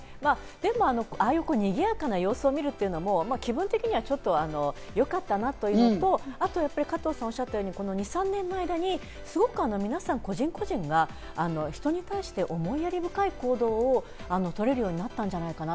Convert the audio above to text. でもああいうにぎやかな様子を見るというのは気分的にはよかったなというのと、あと加藤さんがおっしゃったように２３年の間にすごく皆さん個人個人が人に対して思いやり深い行動を取れる利用になったんじゃないかな。